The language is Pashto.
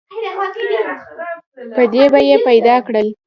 په دې به یې پیدا کړل.